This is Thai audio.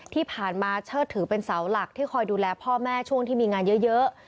ที่ผ่านมาเชิดถือเป็นเสาหลักที่คอยดูแลพ่อแม่ช่วงที่มีงานเยอะ